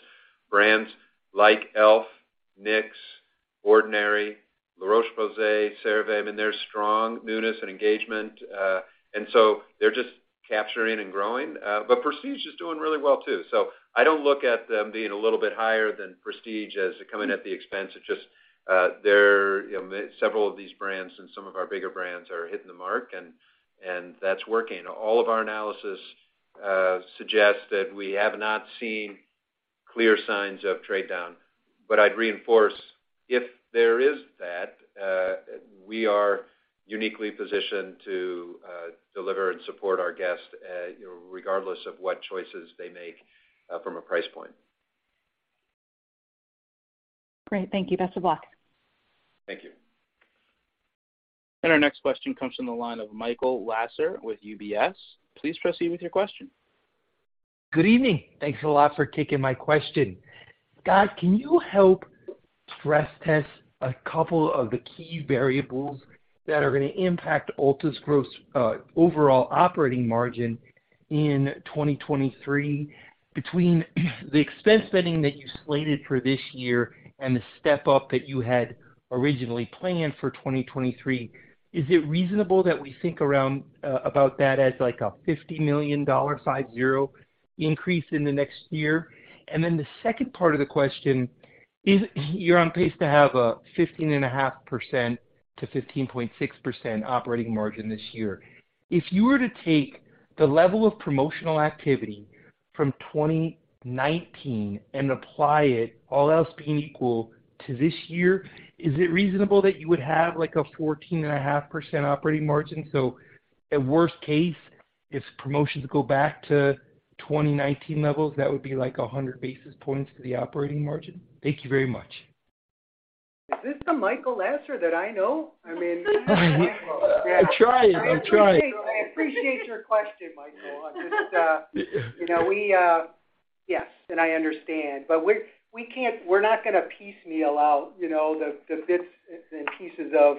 Brands like e.l.f., NYX, The Ordinary, La Roche-Posay, CeraVe, I mean, they're strong newness and engagement. They're just capturing and growing. Prestige is doing really well too. I don't look at them being a little bit higher than prestige as coming at the expense. It's just, you know, several of these brands and some of our bigger brands are hitting the mark, and that's working. All of our analysis suggests that we have not seen clear signs of trade down. I'd reinforce, if there is that, we are uniquely positioned to deliver and support our guests, you know, regardless of what choices they make, from a price point. Great. Thank you. Best of luck. Thank you. Our next question comes from the line of Michael Lasser with UBS. Please proceed with your question. Good evening. Thanks a lot for taking my question. Guys, can you help stress test a couple of the key variables that are gonna impact Ulta's overall operating margin in 2023 between the expense spending that you slated for this year and the step-up that you had originally planned for 2023, is it reasonable that we think around about that as like a $50 million increase in the next year? You're on pace to have a 15.5%-15.6% operating margin this year. If you were to take the level of promotional activity from 2019 and apply it, all else being equal, to this year, is it reasonable that you would have, like, a 14.5% operating margin? At worst case, if promotions go back to 2019 levels, that would be, like, 100 basis points to the operating margin. Thank you very much. Is this the Michael Lasser that I know? I mean. I'm trying. I'm trying. I appreciate your question, Michael. I'm just, you know. Yes, I understand. But we're not gonna piecemeal out, you know, the bits and pieces of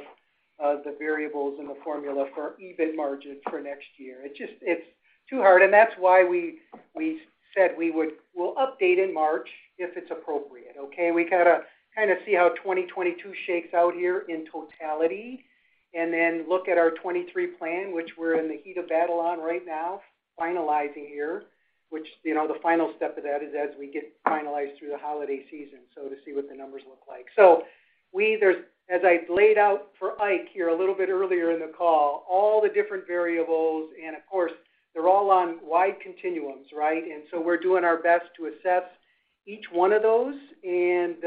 the variables in the formula for our EBIT margin for next year. It's just, it's too hard, and that's why we said we'll update in March if it's appropriate, okay? We gotta kinda see how 2022 shakes out here in totality, and then look at our 2023 plan, which we're in the heat of battle on right now, finalizing here, which, you know, the final step of that is as we get finalized through the holiday season, so to see what the numbers look like. As I laid out for Ike here a little bit earlier in the call, all the different variables, and of course, they're all on wide continuums, right? We're doing our best to assess each one of those and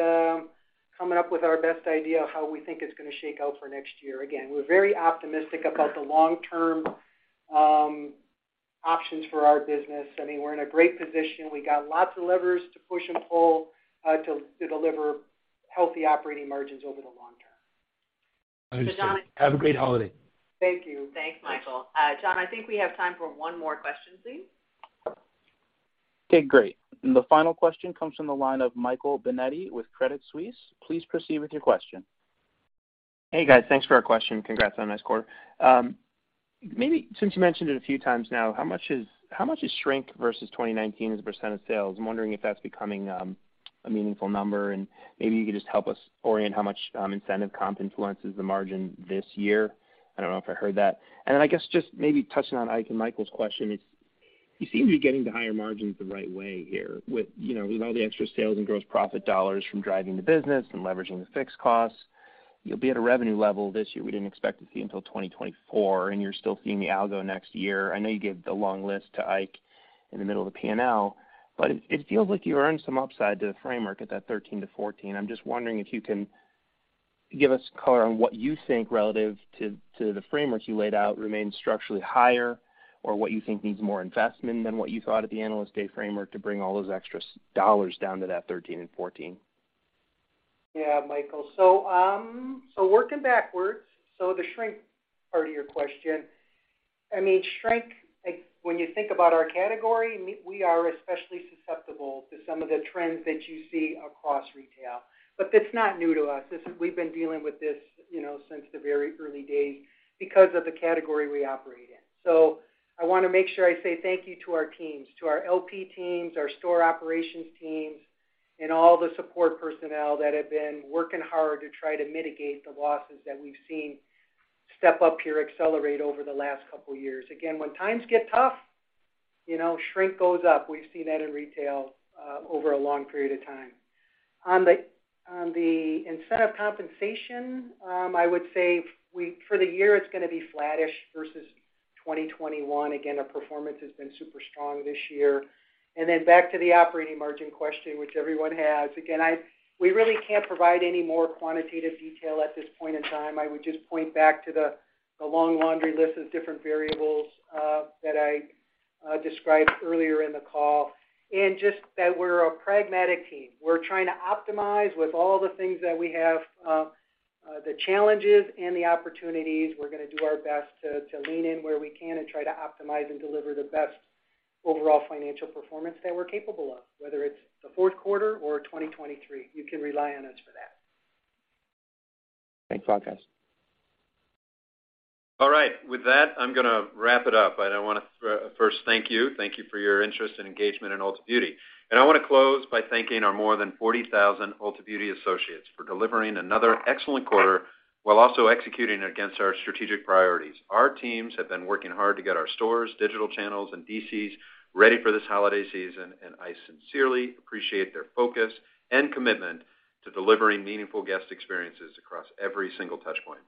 coming up with our best idea of how we think it's gonna shake out for next year. Again, we're very optimistic about the long-term options for our business. I mean, we're in a great position. We got lots of levers to push and pull to deliver healthy operating margins over the long term. Understood. John-. Have a great holiday. Thank you. Thanks, Michael. John, I think we have time for 1 more question, please. Okay, great. The final question comes from the line of Michael Binetti with Credit Suisse. Please proceed with your question. Hey, guys. Thanks for your question. Congrats on a nice quarter. Maybe since you mentioned it a few times now, how much is shrink versus 2019 as a % of sales? I'm wondering if that's becoming a meaningful number, and maybe you could just help us orient how much incentive comp influences the margin this year. I don't know if I heard that. Then I guess just maybe touching on Ike and Michael's question, it's you seem to be getting the higher margins the right way here with you know, with all the extra sales and gross profit dollars from driving the business and leveraging the fixed costs. You'll be at a revenue level this year we didn't expect to see until 2024, and you're still seeing the algo next year. I know you gave the long list to Ike in the middle of the P&L, but it feels like you earned some upside to the framework at that 13 to 14. I'm just wondering if you can give us color on what you think, relative to the framework you laid out, remains structurally higher or what you think needs more investment than what you thought at the Analyst Day framework to bring all those extra dollars down to that 13 and 14. Yeah, Michael. Working backwards, so the shrink part of your question. I mean, shrink, like, when you think about our category, we are especially susceptible to some of the trends that you see across retail. That's not new to us. We've been dealing with this, you know, since the very early days because of the category we operate in. I wanna make sure I say thank you to our teams, to our LP teams, our store operations teams, and all the support personnel that have been working hard to try to mitigate the losses that we've seen step up here, accelerate over the last couple years. When times get tough, you know, shrink goes up. We've seen that in retail, over a long period of time. On the incentive compensation, I would say for the year, it's gonna be flattish versus 2021. Again, our performance has been super strong this year. Then back to the operating margin question, which everyone has. Again, we really can't provide any more quantitative detail at this point in time. I would just point back to the long laundry list of different variables that I described earlier in the call and just that we're a pragmatic team. We're trying to optimize with all the things that we have, the challenges and the opportunities. We're gonna do our best to lean in where we can and try to optimize and deliver the best overall financial performance that we're capable of, whether it's the fourth quarter or 2023. You can rely on us for that. Thanks a lot, guys. All right. With that, I'm gonna wrap it up. I now wanna first thank you. Thank you for your interest and engagement in Ulta Beauty. I wanna close by thanking our more than 40,000 Ulta Beauty associates for delivering another excellent quarter while also executing against our strategic priorities. Our teams have been working hard to get our stores, digital channels, and DCs ready for this holiday season, and I sincerely appreciate their focus and commitment to delivering meaningful guest experiences across every single touch point.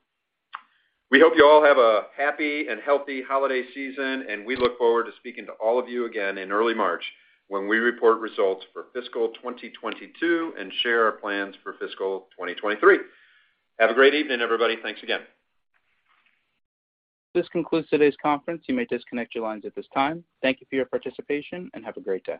We hope you all have a happy and healthy holiday season, and we look forward to speaking to all of you again in early March when we report results for fiscal 2022 and share our plans for fiscal 2023. Have a great evening, everybody. Thanks again. This concludes today's conference. You may disconnect your lines at this time. Thank you for your participation, and have a great day.